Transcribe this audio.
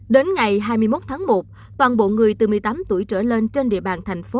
đến ngày hai mươi một tháng một toàn bộ người từ một mươi tám tuổi trở lên trên địa bàn thành phố